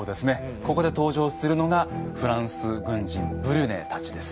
ここで登場するのがフランス軍人ブリュネたちです。